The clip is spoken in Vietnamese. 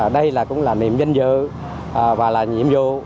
đây cũng là niềm danh dự và là nhiệm vụ